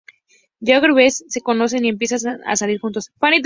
Jackie y Brett se conocen y empiezan a salir juntos.